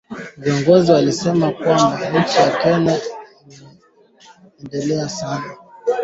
Polisi walipiga kambi usiku wa Ijumaa katika eneo ambalo kiongozi ni mkuu wa upinzani wa chama